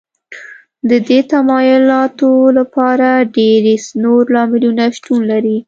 د دې تمایلاتو لپاره ډېری نور لاملونو شتون لري